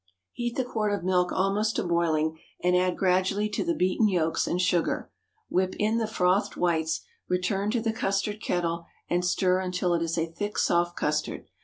Heat the quart of milk almost to boiling, and add gradually to the beaten yolks and sugar. Whip in the frothed whites, return to the custard kettle, and stir until it is a thick, soft custard.